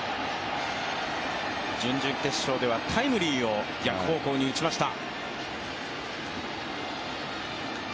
準々決勝ではタイムリーを逆方向に打ちました。